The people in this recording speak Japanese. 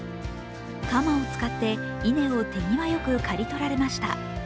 鎌を使って稲を手際よく刈り取られました。